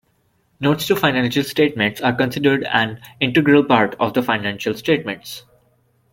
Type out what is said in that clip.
Notes to financial statements are considered an integral part of the financial statements.